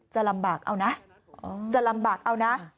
จะลำบากเอานะจะลำบากเอานะ